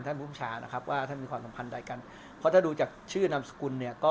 ภูมิชานะครับว่าท่านมีความสัมพันธ์ใดกันเพราะถ้าดูจากชื่อนามสกุลเนี่ยก็